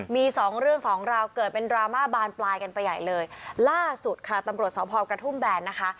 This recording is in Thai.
มีสองเรื่องสองราวเกิดเป็นดราม่าบานปลายกันไปใหญ่เลยล่าสุดค่ะตำรวจสพกระทุ่มแบนนะคะ